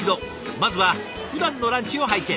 まずはふだんのランチを拝見。